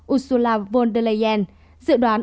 ursula von der leyen dự đoán